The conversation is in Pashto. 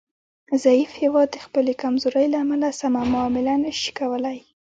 ضعیف هیواد د خپلې کمزورۍ له امله سمه معامله نشي کولای